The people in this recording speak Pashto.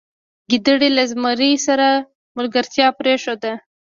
ګیدړې له زمري سره ملګرتیا پریښوده.